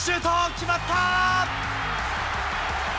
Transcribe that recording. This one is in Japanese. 決まった！